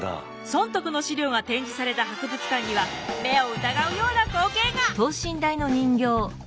尊徳の資料が展示された博物館には目を疑うような光景が！